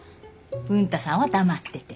文太さんは黙ってて。